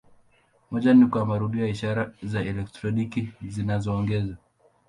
Moja ni kwa marudio ya ishara za elektroniki zinazoongezwa.